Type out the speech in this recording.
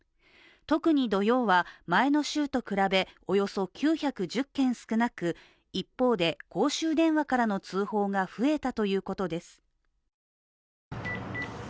特に土曜は、前の週と比べおよそ９１０件少なく一方で、公衆電話からの通報が増えたということです。